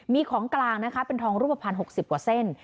มีของกลางนะคะเป็นทองรูปภัณฑ์๖๐กว่าเส้น